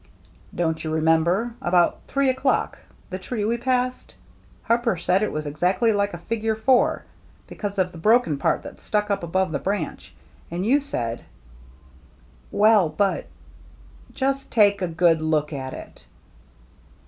" Don't you remember — about three o'clock — the tree we passed ? Harper said it was exactly like a figure four, because of the broken part that stuck up above the branch, — and you said —" "Well, but —"" Just take a good look at it."